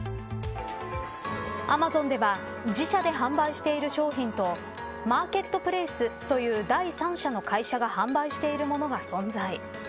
アマゾンでは自社で販売している商品とマーケットプレイスという第三者の会社が販売しているものが存在。